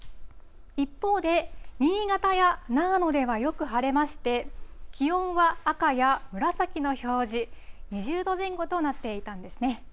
一方で、新潟や長野ではよく晴れまして、気温は赤や紫の表示、２０度前後となっていたんですね。